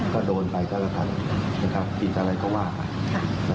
ถ้าโดนไปก็กระทำผิดอะไรก็ว่าป่ะ